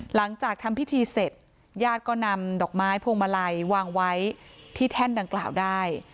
หลังจากทำพิธีเสร็จญาติก็นำดอกไม้พวงมาลัยวางไว้ที่แท่นดังกล่าวได้